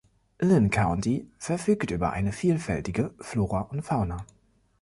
Linn County verfügt über eine vielfältige Flora und Fauna.